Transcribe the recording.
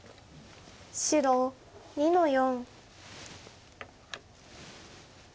白２の四。